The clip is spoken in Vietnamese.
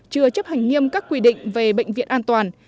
chưa chấp hành nghiêm các quy định về bệnh viện an toàn